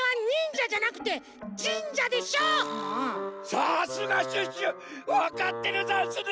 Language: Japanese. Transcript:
さすがシュッシュわかってるざんすね。